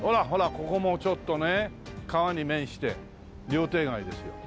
ここもちょっとね川に面して料亭街ですよ。